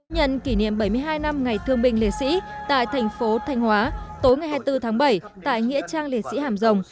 nhận kỷ niệm bảy mươi hai năm ngày thương binh liệt sĩ tại thành phố thanh hóa tối ngày hai mươi bốn tháng bảy tại nghĩa trang liệt sĩ hàm rồng